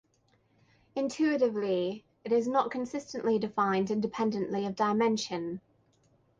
Intuitively, it is not "consistently defined independently of dimension".